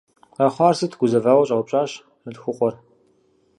Къэхъуар сыт?- гузэвауэ, щӏэупщӏащ мылъхукъуэр.